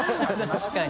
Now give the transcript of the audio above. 確かに。